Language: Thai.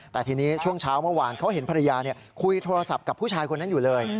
แต่ทีนี้ช่วงเช้าเมื่อวานเขาเห็นภรรยาคุยโทรศัพท์กับผู้ชายคนนั้นอยู่เลย